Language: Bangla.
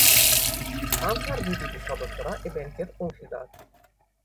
আনসার-ভিডিপি সদস্যরা এ ব্যাংকের অংশীদার।